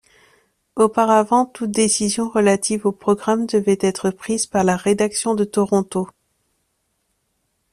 Auparavant, toute décision relative aux programmes devait être prise par la rédaction de Toronto.